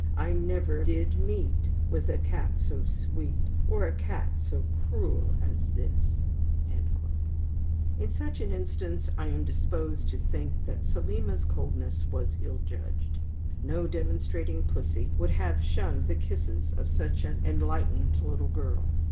I never did meet With a cat so sweet, Or a cat so cruel as this is." In such an instance I am disposed to think that Selima's coldness was ill judged. No discriminating pussy would have shunned the kisses of such an enlightened little girl.